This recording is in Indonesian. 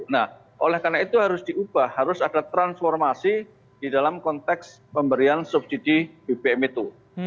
nah oleh karena itu harus diubah harus ada transformasi di dalam konteks pemberian subsidi bbm itu